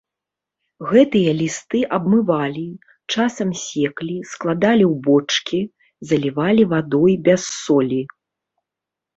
Гэтыя лісты абмывалі, часам секлі, складалі ў бочкі, залівалі вадой без солі.